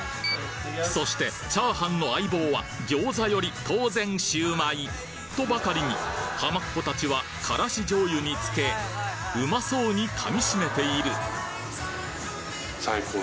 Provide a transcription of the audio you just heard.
そしてチャーハンの相棒は餃子より当然シウマイ！とばかりにハマッ子たちはからし醤油につけうまそうに噛みしめている！